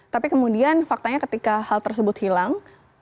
tapi kemudian faktanya ketika hal tersebut hilang